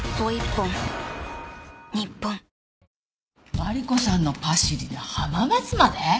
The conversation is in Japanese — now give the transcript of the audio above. マリコさんのパシリで浜松まで？